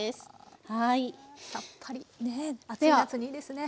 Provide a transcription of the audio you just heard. さっぱりねえ暑い夏にいいですね。